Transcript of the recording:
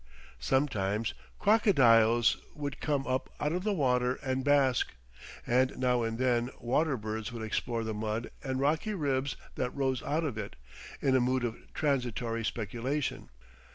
Sometimes crocodiles would come up out of the water and bask, and now and then water birds would explore the mud and rocky ribs that rose out of it, in a mood of transitory speculation.